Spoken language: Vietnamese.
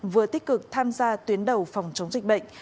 vừa tích cực tham gia tuyến đầu phòng chống dịch bệnh